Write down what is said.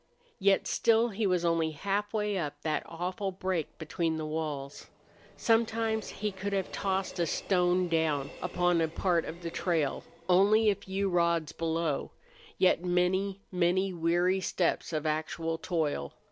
Yet still he was only halfway up that awful break between the walls. Sometimes he could have tossed a stone down upon a part of the trail, only a few rods below, yet many, many weary steps of actual toil.